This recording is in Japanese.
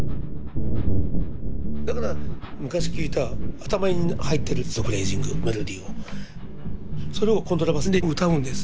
だから昔聞いた頭に入ってるフレージングメロディーをそれをコントラバスで歌うんです。